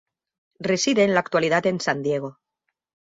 Reside en la actualidad en San Diego.